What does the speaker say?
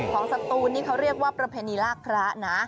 สตูนนี่เขาเรียกว่าประเพณีลากพระนะ